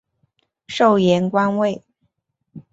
授盐官尉。